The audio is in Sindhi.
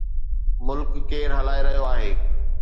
ملڪ ڪير هلائي رهيو آهي؟